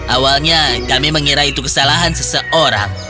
awalnya kami mengira itu kesalahan seseorang